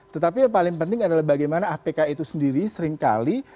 tetapi yang paling penting adalah bagaimana apk itu sendiri seringkali